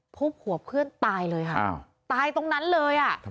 ทุบหัวเพื่อนตายเลยค่ะตายตรงนั้นเลยอ่ะ